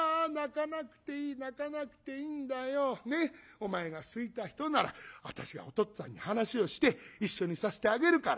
お前が好いた人なら私がお父っつぁんに話をして一緒にさせてあげるから。